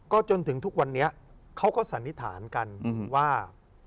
จนถึงทุกวันนี้เขาก็สันนิษฐานกันว่า